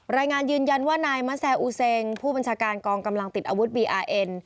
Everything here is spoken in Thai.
รายงานยืนยันว่านายมะแซอูเซงผู้บัญชาการกองกำลังติดอาวุธบีอาร์เอ็น